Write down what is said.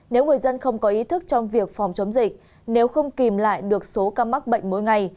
nếu người dân không có ý thức trong việc phòng chống dịch nếu không kìm lại được số ca mắc bệnh mỗi ngày